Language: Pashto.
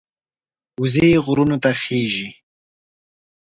وزې غرونو ته خېژي